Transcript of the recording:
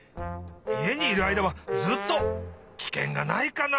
家にいるあいだはずっとキケンがないかな？